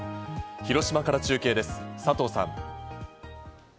広島から中継です、佐藤さん。